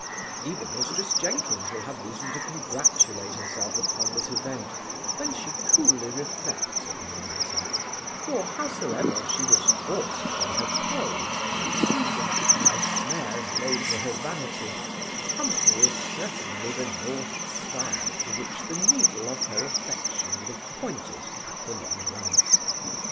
Even Mrs Jenkins will have reason to congratulate herself upon this event, when she cooly reflects upon the matter; for, howsoever she was forced from her poise for a season, by snares laid for her vanity, Humphry is certainly the north star to which the needle of her affection would have pointed at the long run.